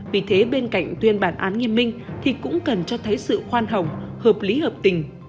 vì thế bên cạnh tuyên bản án nghiêm minh thì cũng cần cho thấy sự khoan hồng hợp lý hợp tình